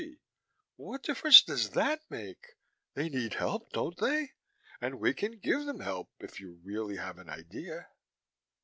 B.: What difference does that make? They need help, don't they? And we can give them help. If you really have an idea?